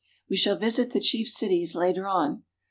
We shall visit the chief cities later on.